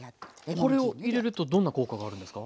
これを入れるとどんな効果があるんですか？